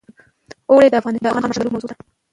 اوړي د افغان ماشومانو د لوبو موضوع ده.